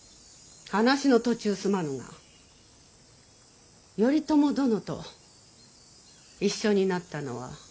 話の途中すまぬが頼朝殿と一緒になったのは何年前ですか。